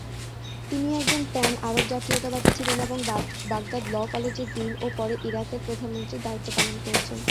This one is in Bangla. তিনি একজন প্যান আরব জাতীয়তাবাদি ছিলেন এবং বাগদাদ ল কলেজের ডিন ও পরে ইরাকের প্রধানমন্ত্রীর দায়িত্বপালন করেছেন।